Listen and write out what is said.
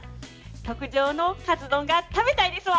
特上のかつ丼が食べたいですわ！